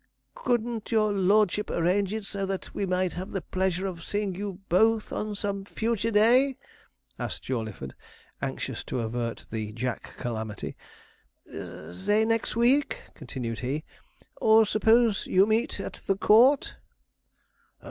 'Couldn't your lordship arrange it so that we might have the pleasure of seeing you both on some future day?' asked Jawleyford, anxious to avert the Jack calamity. 'Say next week,' continued he; 'or suppose you meet at the Court?'